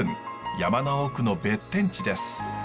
山の奥の別天地です。